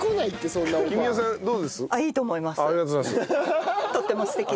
いいと思います。